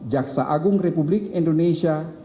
jaksa agung republik indonesia